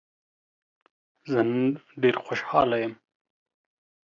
زه نن ډېر خوشحاله يم.